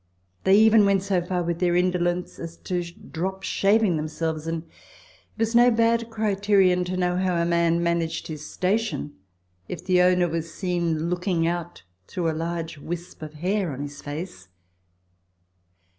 They even went so far with their indolence as to drop shaving themselves, and it was no bad criterion to know how a man managed his station if the owner was seen looking out through a large wisp of hair on his face.